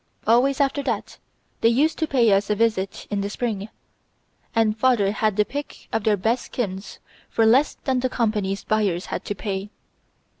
Always after that they used to pay us a visit in the spring, and father had the pick of their best skins for less than the companies' buyers had to pay.